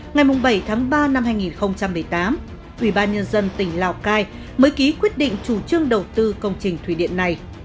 ngày bảy tháng ba năm hai nghìn một mươi tám ubnd tỉnh lào cai mới ký quyết định chủ trương đầu tư công trình thủy điện này